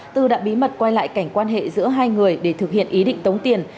tư đã bí mật quay lại cảnh quan hệ giữa hai người để thực hiện ý định tống tiền